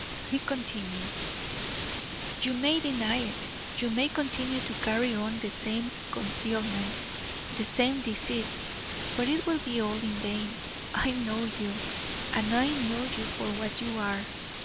He continued: "You may deny it, you may continue to carry on the same concealment, the same deceit, but it will be all in vain; I know you, and I know you for what you are.